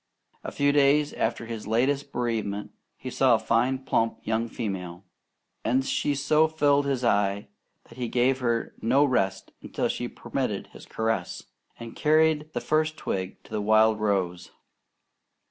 A few days after his latest bereavement, he saw a fine, plump young female; and she so filled his eye that he gave her no rest until she permitted his caresses, and carried the first twig to the wild rose.